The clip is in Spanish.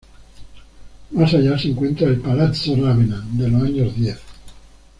Más allá se encuentra el "Palazzo Ravenna", de los años diez.